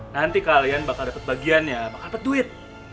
nanti kalian bakal dapet bagiannya bakal dapet duit